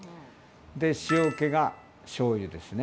で、塩けが、しょうゆですね。